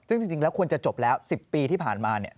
ซึ่งจริงแล้วควรจะจบแล้ว๑๐ปีที่ผ่านมาเนี่ย